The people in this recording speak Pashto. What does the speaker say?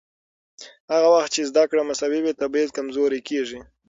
هغه وخت چې زده کړه مساوي وي، تبعیض کمزورې کېږي.